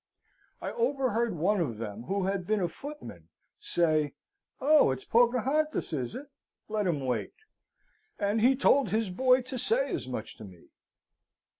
I overheard one of them, who had been a footman, say, "Oh, it's Pocahontas, is it? let him wait." And he told his boy to say as much to me.